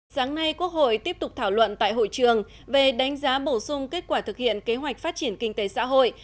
sáng nay quốc hội tiếp tục thảo luận tại hội trường về đánh giá bổ sung kết quả thực hiện kế hoạch phát triển kinh tế xã hội